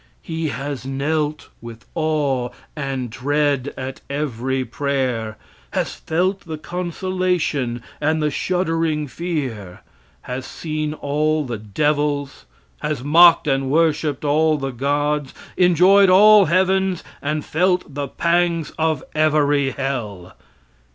He has knelt with awe and dread at every prayer; has felt the consolation and the shuddering fear; has seen all the devils; has mocked and worshiped all the gods; enjoyed all heavens, and felt the pangs of every hell.